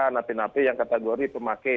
napi napi yang kategori pemakai